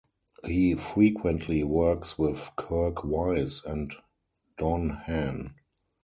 He frequently works with Kirk Wise and Don Hahn.